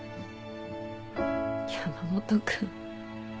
山本君。